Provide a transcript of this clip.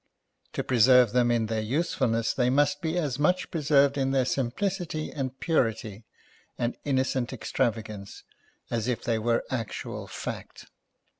To preserve them in their usefulness, they must be as much preserved in their simplicity, and purity, and innocent extrava gance, as if they were actual fact.